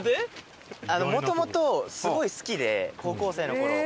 元々すごい好きで高校生の頃。